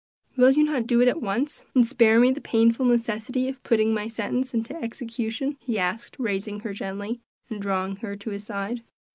Will you not do it at once, and spare me the painful necessity of putting my sentence into execution?" he asked, raising her gently, and drawing her to his side.